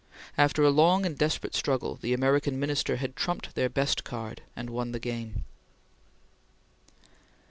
After a long and desperate struggle, the American Minister had trumped their best card and won the game.